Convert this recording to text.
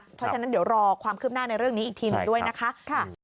เพราะฉะนั้นเดี๋ยวรอความคืบหน้าในเรื่องนี้อีกทีหนึ่งด้วยนะคะ